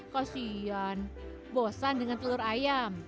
kosion bosan dengan telur ayam